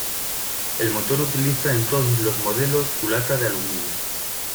El motor utiliza en todos los modelos culata de aluminio.